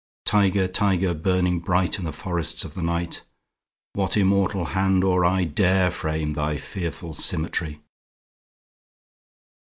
20 Tiger, tiger, burning bright In the forests of the night, What immortal hand or eye Dare frame thy fearful symmetry?